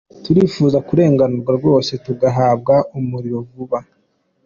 Turifuza kurenganurwa rwose tugahabwa umuriro vuba.